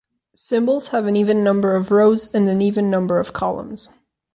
Symbols have an even number of rows and an even number of columns.